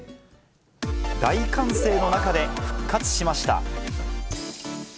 大歓声の中で、復活しました。